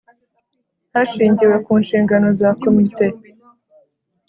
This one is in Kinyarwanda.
hashingiwe ku nshingano za komite